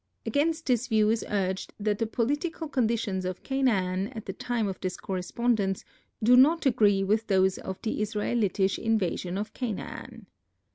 Against this view is urged that the political conditions of Canaan at the time of this correspondence do not agree with those of the Israelitish invasion of Canaan.